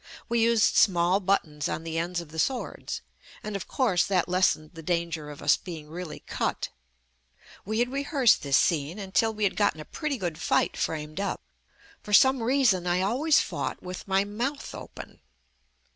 We used small buttons on the ends of the swords, and of course that lessened the danger of us being really cut. We had rehearsed this scene until we had gotten a pretty good fight framed up. For some reason I always fought with my mouth open.